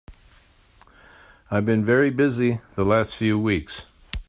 I've been very busy the last few weeks.